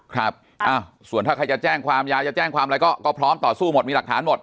ครับส่วนถ้าใครจะแจ้งความยายจะแจ้งความอะไรก็พร้อมต่อสู้หมดมีหลักฐานหมด